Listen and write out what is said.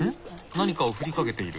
何かを振りかけている。